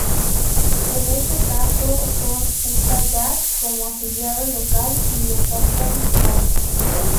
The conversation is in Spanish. En este caso son Utah Jazz, como afiliado "local", y los Atlanta Hawks.